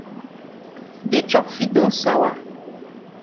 De chop fit don sawa.